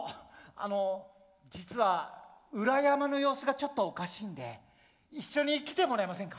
あの実は裏山の様子がちょっとおかしいんで一緒に来てもらえませんか？